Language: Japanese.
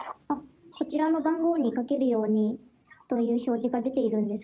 こちらの番号にかけるようにという表示が出ているのです